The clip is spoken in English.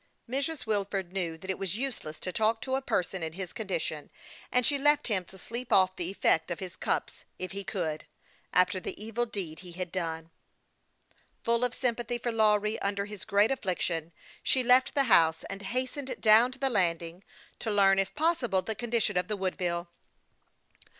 Mrs. Wilford knew that it was useless to talk to a person in his condition, and she left him to sleep off the effect of his cups if he could, after the evil deed he had done. Full of sympathy for Lawry, under his great affliction, she left the house, and hastened down to the landing, to learn, if possible, the condi tion of the Woodville.